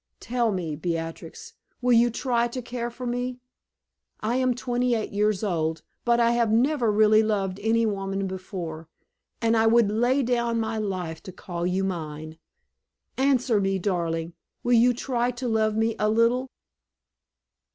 Tell me, Beatrix, will you try to care for me? I am twenty eight years old, but I have never really loved any woman before; and I would lay down my life to call you mine. Answer me, darling; will you try to love me a little?"